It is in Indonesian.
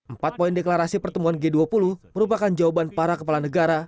empat poin deklarasi pertemuan g dua puluh merupakan jawaban para kepala negara